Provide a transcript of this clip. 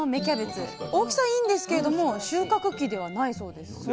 キャベツ大きさはいいんですけれども収穫期ではないそうです。